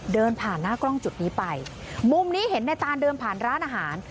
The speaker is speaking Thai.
เดินผ่านหน้ากล้องจุดนี้ไปมุมนี้เห็นในตานเดินผ่านร้านอาหาร